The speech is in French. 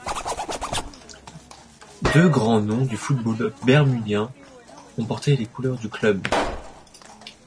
Deux grands noms du football bermudien ont porté les couleurs du club.